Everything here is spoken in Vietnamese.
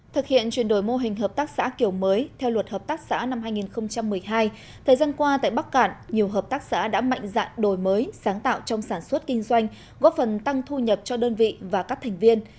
thực hiện chuyển đổi mô hình hợp tác xã kiểu mới theo luật hợp tác xã năm hai nghìn một mươi hai thời gian qua tại bắc cạn nhiều hợp tác xã đã mạnh dạng đổi mới sáng tạo trong sản xuất kinh doanh góp phần tăng thu nhập cho đơn vị và các thành viên